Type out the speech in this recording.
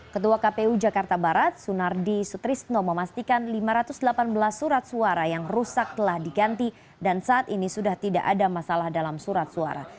ketua kpu jakarta barat sunardi sutrisno memastikan lima ratus delapan belas surat suara yang rusak telah diganti dan saat ini sudah tidak ada masalah dalam surat suara